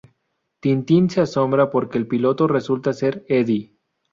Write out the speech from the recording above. Tin-Tin se asombra porque el piloto resulta ser Eddie.